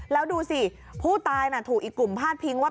แล้วดูสิผู้ตายน่ะถูกอีกกลุ่มพาดพิงว่า